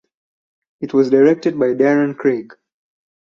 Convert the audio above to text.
It was directed by Darren Craig.